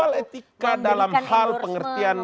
soal etika dalam hal pengertian